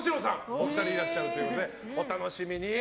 お二人がいらっしゃるということでお楽しみに。